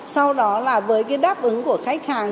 sau đó là với cái đáp ứng của khách hàng